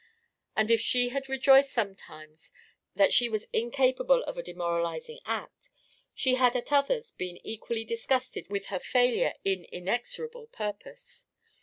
And if she had rejoiced sometimes that she was incapable of a demoralising act, she had at others been equally disgusted with her failure in inexorable purpose.